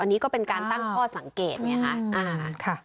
อันนี้ก็เป็นการตั้งข้อสังเกตไงคะ